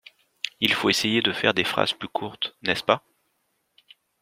Il faut essayer de faire des phrases plus courtes, n'est-ce-pas?